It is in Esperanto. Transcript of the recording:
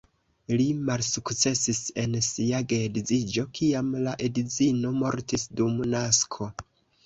Li malsukcesis en sia geedziĝo kiam la edzino mortis dum nasko.